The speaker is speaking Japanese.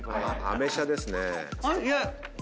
アメ車ですね。